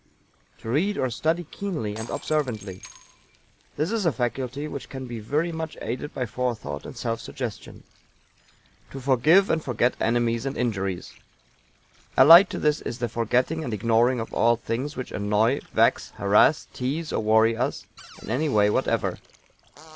To read or study keenly and observantly. This is a faculty which can be very much aided by forethought and self suggestion. To forgive and forget enemies and injuries. Allied to it is the forgetting and ignoring of all things which annoy, vex, harrass, tease or worry us in any way whatever.